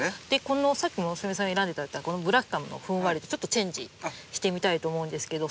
さっき村雨さん選んで頂いたこのブラキカムのふんわりとちょっとチェンジしてみたいと思うんですけど。